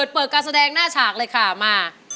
เปิดการแสดงหน้าฉากเลยค่ะมา